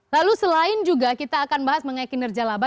lalu selain juga kita akan bahas mengenai kinerja laba